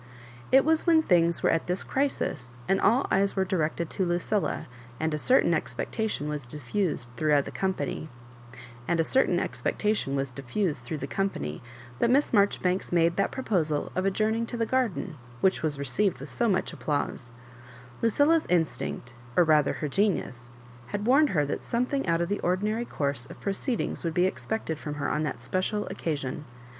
• It was when things were at this crisis, and all eyes were directed to Lucilla, and a certain ex pectation was diffused through the company, that Miss Marjoribanks made that proposal of ad journing to the garden, which was received with so much applause. Lucilla's instinct, or rather her genius, had warned her that something out of the ordinary course of proceedings would be ex pected from her on that special occasion.